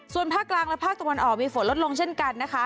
ส่วนภาคกลางและภาคตะวันออกมีฝนลดลงเช่นกันนะคะ